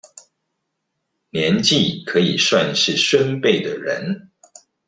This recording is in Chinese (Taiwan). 年紀可以算是孫輩的人